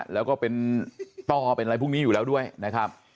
แล้วก็เป็นต้อเป็นอะไรพวกนี้อยู่แล้วด้วยนะครับ